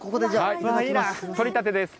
とりたてです。